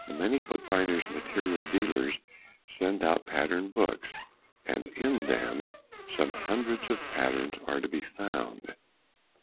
The many bookbinders' material dealers send out pattern books, and in them some hundreds of patterns are to be found.